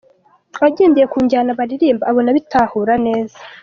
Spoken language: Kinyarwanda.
agendeye ku njyana baririmba abona bitahura neza.